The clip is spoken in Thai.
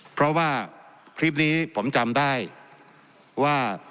เพราะว่าคลิปนี้ผมจำได้ว่า